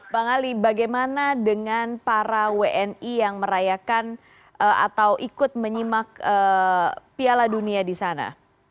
bang ali bagaimana dengan para wni yang merayakan atau ikut menyimak piala dunia di sana